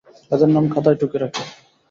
এদের নাম খাতায় টুকে রাখি।